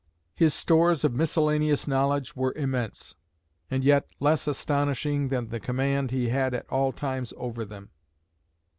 His stores of miscellaneous knowledge were immense, and yet less astonishing than the command he had at all times over them.